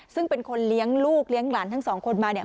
ซึ่งเป็นคนเลี้ยงลูกเลี้ยงหลานทั้งสองคนมาเนี่ย